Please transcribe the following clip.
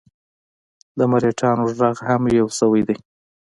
د مرهټیانو ږغ هم یو شوی دی.